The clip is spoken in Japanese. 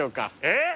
えっ！